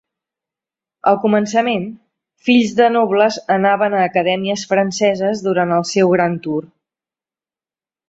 Al començament, fills de nobles anaven a acadèmies franceses durant el seu Grand Tour.